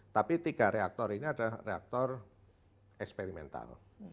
tapi tiga reaktor ini adalah reaktor eksperimental